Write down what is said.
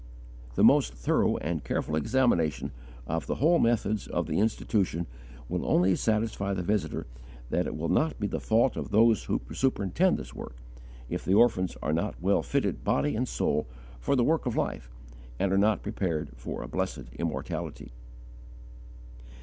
The most thorough and careful examination of the whole methods of the institution will only satisfy the visitor that it will not be the fault of those who superintend this work, if the orphans are not well fitted, body and soul, for the work of life, and are not prepared for a blessed immortality.